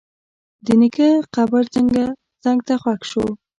د نیکه قبر څنګ ته ښخ شو.